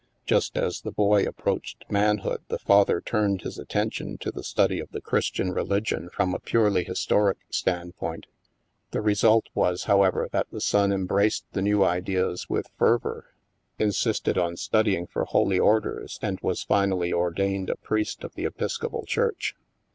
Just as the boy approached manhood, the father turned his attention to the study of the Christian re 54 THE MASK ligion from a purely historic standpoint. The re sult was, however, that the son embraced the new ideas with fervor, insisted on studying for holy or ders, and was finally ordained a priest of the Epis copal Church.